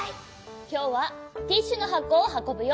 きょうはティッシュのはこをはこぶよ。